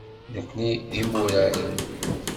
Nekkni d imuraren.